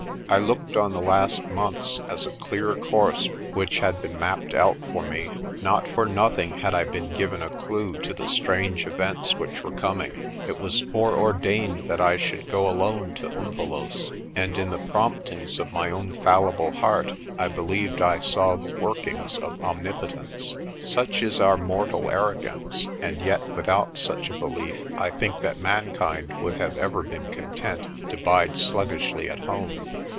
I looked on the last months as a clear course which had been mapped out for me. Not for nothing had I been given a clue to the strange events which were coming. It was foreordained that I should go alone to Umvelos', and in the promptings of my own fallible heart I believed I saw the workings of Omnipotence. Such is our mortal arrogance, and yet without such a belief I think that mankind would have ever been content to bide sluggishly at home.